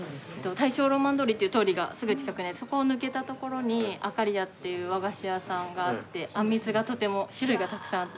大正浪漫通りっていう通りがすぐ近くにあってそこを抜けた所にあかりやっていう和菓子屋さんがあってあんみつがとても種類がたくさんあって。